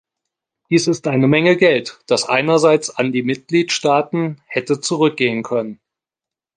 Dies ist eine Menge Geld, das einerseits an die Mitgliedstaaten hätte zurückgehen können.